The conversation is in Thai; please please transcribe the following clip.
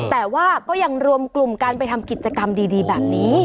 แต่ว่าก็ยังรวมกลุ่มการไปทำกิจกรรมดีแบบนี้